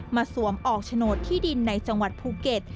สวมออกโฉนดที่ดินในจังหวัดภูเก็ต